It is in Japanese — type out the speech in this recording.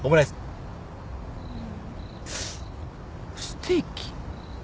ステーキ？